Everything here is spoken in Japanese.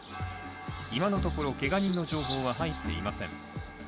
今のところ、けが人の情報は入っていません。